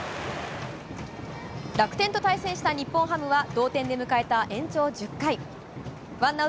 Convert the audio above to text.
楽天と対戦した日本ハムは同点で迎えた延長１０回。